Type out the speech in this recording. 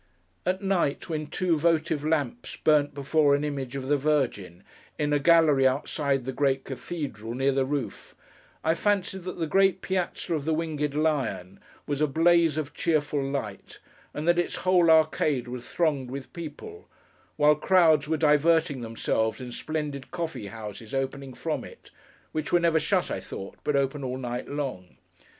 At night, when two votive lamps burnt before an image of the Virgin, in a gallery outside the great cathedral, near the roof, I fancied that the great piazza of the Winged Lion was a blaze of cheerful light, and that its whole arcade was thronged with people; while crowds were diverting themselves in splendid coffee houses opening from it—which were never shut, I thought, but open all night long.